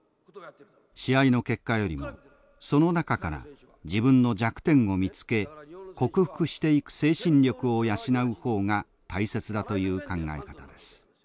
試合の結果よりもその中から自分の弱点を見つけ克服していく精神力を養う方が大切だという考え方です。